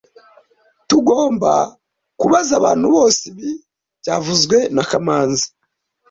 Tugomba kubaza abantu bose ibi byavuzwe na kamanzi